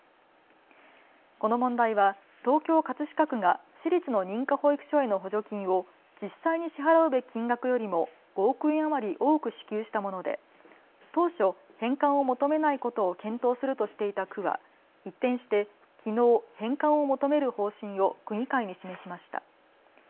この問題は東京葛飾区が私立の認可保育所への補助金を実際に支払うべき金額よりも５億円余り多く支給したもので当初、返還を求めないことを検討するとしていた区は一転してきのう返還を求める方針を区議会に示しました。